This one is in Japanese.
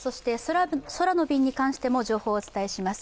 空の便に関しても情報をお伝えします。